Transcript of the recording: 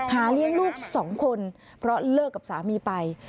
หาเลี้ยงลูกสองคนเพราะเลิกกับสามีไป